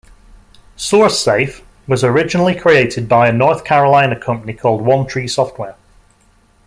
SourceSafe was originally created by a North Carolina company called One Tree Software.